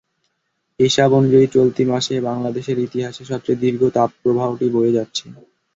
হিসাব অনুযায়ী চলতি মাসে বাংলাদেশের ইতিহাসে সবচেয়ে দীর্ঘ তাপপ্রবাহটি বয়ে যাচ্ছে।